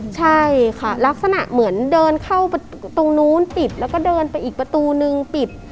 ใช่ค่ะลักษณะเหมือนเดินเข้าตรงนู้นปิดแล้วก็เดินไปอีกประตูนึงปิด